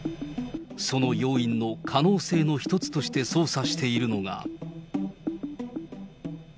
その要因の可能性の一つとして捜査しているのが。